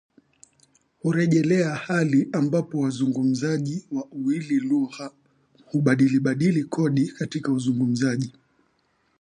Hurejelea hali ambapo wazungumzaji wa uwili lugha hubadilibadili kodi katika uzungumzaji